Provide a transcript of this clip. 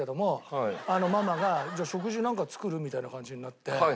ママが「食事なんか作る？」みたいな感じになって。